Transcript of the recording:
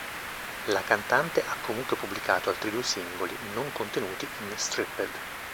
La cantante ha comunque pubblicato altri due singoli, non contenuti in "Stripped".